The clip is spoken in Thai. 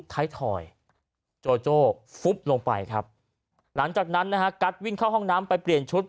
ถอยโจโจ้ฟุบลงไปครับหลังจากนั้นนะฮะกัสวิ่งเข้าห้องน้ำไปเปลี่ยนชุด